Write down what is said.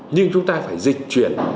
nhưng chúng ta phải dịch chuyển